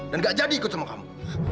dan gak jadi ikut sama kamu